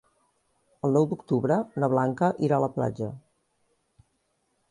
El nou d'octubre na Blanca irà a la platja.